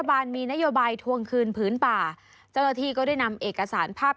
บานมีนโยบายทวงคืนผืนป่าเจ้าหน้าที่ก็ได้นำเอกสารภาพ